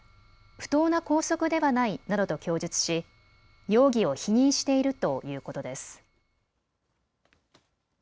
不当な拘束ではないなどと供述し容疑を否認しているということです。